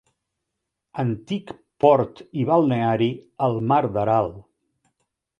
Antic port i balneari al mar d'Aral.